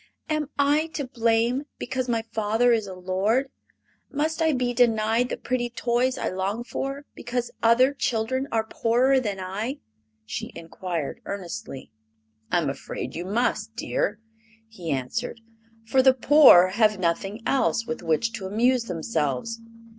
"Am I to blame because my father is a lord? Must I be denied the pretty toys I long for because other children are poorer than I?" she inquired earnestly. "I'm afraid you must, dear," he answered; "for the poor have nothing else with which to amuse themselves.